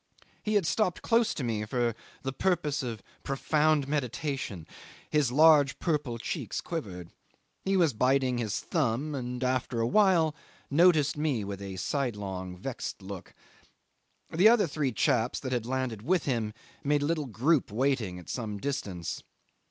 He had stopped close to me for the purpose of profound meditation: his large purple cheeks quivered. He was biting his thumb, and after a while noticed me with a sidelong vexed look. The other three chaps that had landed with him made a little group waiting at some distance.